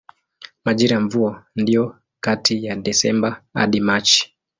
Majira ya mvua ndiyo kati ya Desemba hadi Machi.